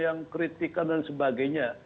yang kritikan dan sebagainya